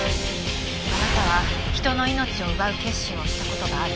あなたは人の命を奪う決心をした事がある？